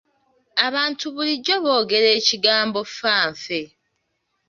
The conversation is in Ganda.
Abantu bulijjo boogera ekigambo fa nfe.